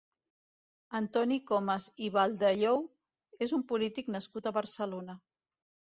Antoni Comas i Baldellou és un polític nascut a Barcelona.